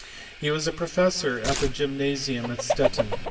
He was professor at the gymnasium at Stettin.